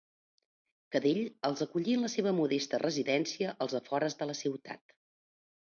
Cadell els acollí en la seva modesta residència als afores de la ciutat.